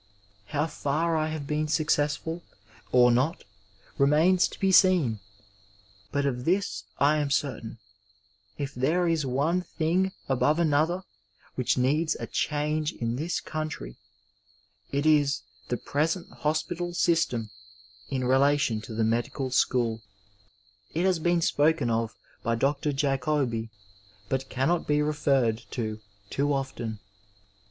How far I have been successful, or not, remains to be seen. But of this I am certain :— ^If there is one thing above another which needs a change in this country, it is the present hospital system in relation to the medical aohooL 472 Digitized by Google UKNVOI It lias been spoken of by Dr. Jaoobi but cannot be referred to too often.